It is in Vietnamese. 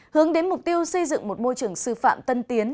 hướng đến mục tiêu xây dựng một môi trường sư phạm tân tiến